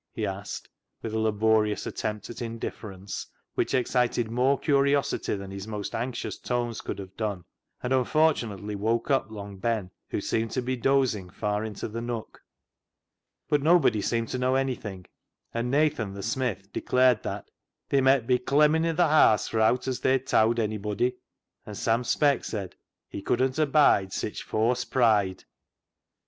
he asked, with a laborious attempt at indifference which excited more curiosity than his most anxious tones could have done, and unfortunately woke up Long Ben, who seemed to be dozing far into the nook. But nobody seemed to know anything, and Nathan the smith declared that " They met be clemmin' i' th' haase for owt as they towd onybody "; and Sam Speck said he " couldn't abide sitch fawse pride."